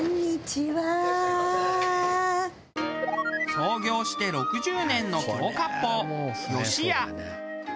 創業して６０年の京割烹余志屋。